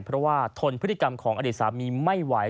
เพราะว่าทนพฤติกรรมของอดีตสามีไม่ไหว